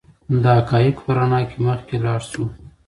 د حقایقو په رڼا کې مخکې لاړ شو.